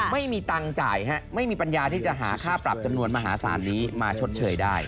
ไม่มีตังค์จ่ายไม่มีปัญญาที่จะหาค่าปรับจำนวนมหาศาลนี้มาชดเชยได้